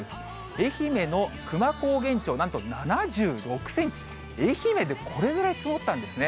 愛媛の久万高原町、なんと７６センチ、愛媛でこれぐらい積もったんですね。